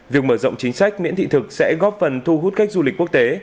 việc mở rộng chính sách miễn thị thực sẽ góp phần thu hút cách du lịch quốc tế